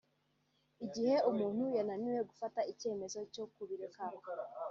Igihe umuntu yananiwe gufata icyemezo cyo kubireka